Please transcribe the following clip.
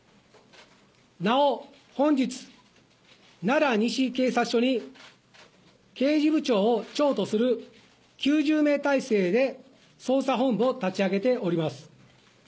なお、本日、奈良西警察署に刑事部長を長とする９０名態勢で捜査本部を立ち上げております。